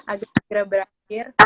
agar segera berakhir